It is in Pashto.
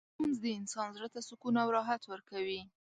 لمونځ د انسان زړه ته سکون او راحت ورکوي.